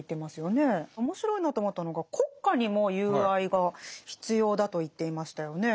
面白いなと思ったのが国家にも友愛が必要だと言っていましたよね。